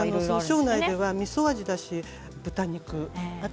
庄内は、みそ味だし豚肉。